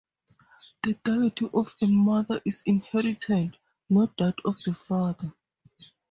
The deity of the mother is inherited, not that of the father.